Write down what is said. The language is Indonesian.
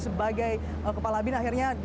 sebagai kepala bin akhirnya